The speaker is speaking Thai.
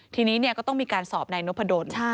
ทีนี้ก็ต้องมีการสอบนายนพดล